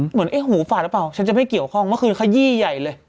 เหมือนเอ๊ะหูฝาดหรือเปล่าฉันจะไม่เกี่ยวข้องเมื่อคืนขยี้ใหญ่เลย